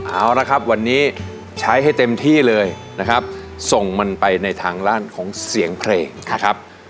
เอาละครับวันนี้ใช้ให้เต็มที่เลยนะครับส่งมันไปในทางด้านของเสียงเพลงนะครับ